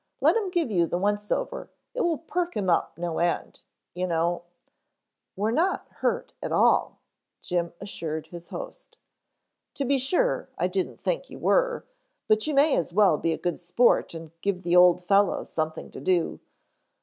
Let him give you the once over, it will perk him up no end, you know " "We're not hurt at all," Jim assured his host. "To be sure, I didn't think you were, but you may as well be a good sport and give the old fellow something to do.